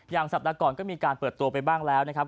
สัปดาห์ก่อนก็มีการเปิดตัวไปบ้างแล้วนะครับ